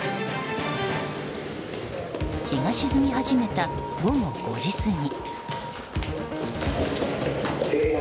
日が沈み始めた午後５時過ぎ。